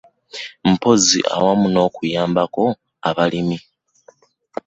Mpozzi awamu n'okuyambako abalimi.